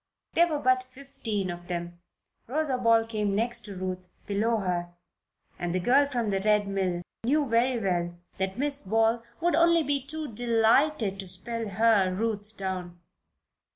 There were but fifteen of them. Rosa Ball came next to Ruth, below her, and the girl from the Red Mill knew very well that Miss Ball would only be too delighted to spell her, Ruth, down.